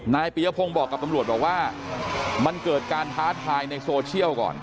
ปียพงศ์บอกกับตำรวจบอกว่ามันเกิดการท้าทายในโซเชียลก่อน